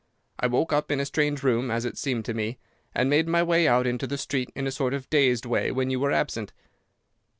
I woke up in a strange room, as it seemed to me, and made my way out into the street in a sort of dazed way when you were absent.